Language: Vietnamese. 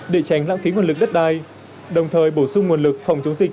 để tránh lãng phí nguồn lực đất đai đồng thời bổ sung nguồn lực phòng chống dịch